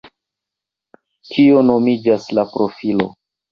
Tio nomiĝas la profilo.